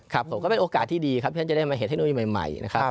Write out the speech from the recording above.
ผมก็เป็นโอกาสที่ดีครับที่ฉันจะได้มาเห็นเทคโนโลยีใหม่นะครับ